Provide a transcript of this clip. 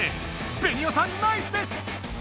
ベニオさんナイスです！